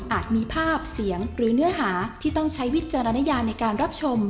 มีภาพเสียงหรือเนื้อหาที่ต้องใช้วิจารณญาในการรับชม